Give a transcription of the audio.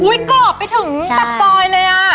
อุ้ยกรอบไปถึงตัดซอยเลยอะ